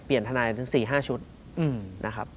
เปลี่ยนทนายถึง๔๕ชุดนะครับ